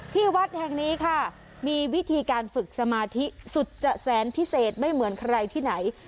ที่วัดแห่งนี้ค่ะมีวิธีการฝึกสมาธิสุจแสนพิเศษไม่เหมือนใครที่ไหน